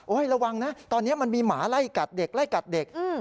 ระวังนะตอนนี้มันมีหมาไล่กัดเด็กไล่กัดเด็ก